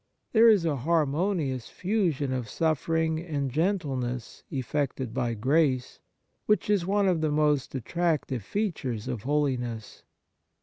There is a harmonious fusion of suffering and gentleness effected by grace, which is one of the most attractive "features of holiness.